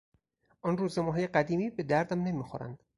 آن روزنامههای قدیمی به دردم نمیخورند.